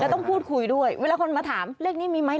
ต้องพูดคุยด้วยเวลาคนมาถามเลขนี้มีไหม